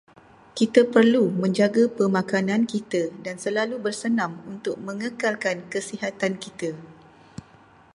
Kita perlu menjaga pemakanan kita dan selalu bersenam untuk mengekalkan kesihatan kita.